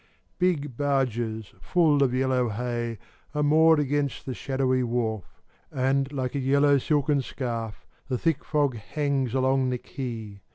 Big barges full of yellow hay Are moored against the shadowy wharf, And, like a yellow silken scarf, The thick fog hangs along the quay.